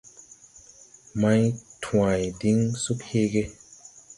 Mày tway diŋ sug heege.